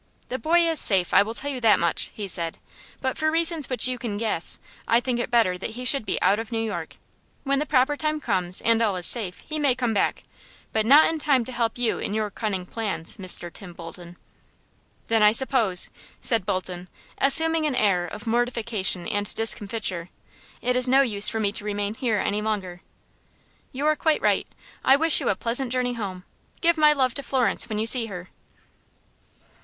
"The boy is safe I will tell you that much," he said; "but for reasons which you can guess, I think it better that he should be out of New York. When the proper time comes, and all is safe, he may come back, but not in time to help you in your cunning plans, Mr. Tim Bolton." "Then, I suppose," said Bolton, assuming an air of mortification and discomfiture, "it is no use for me to remain here any longer." "You are quite right. I wish you a pleasant journey home. Give my love to Florence when you see her."